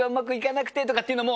っていうのも。